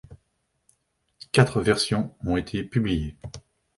Quatre versions ont été publiées.